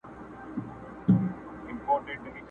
د خان خبره وه د خلکو او د کلي سلا؛